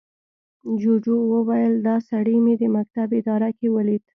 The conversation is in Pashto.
جوجو وويل، دا سړي مې د مکتب اداره کې ولید.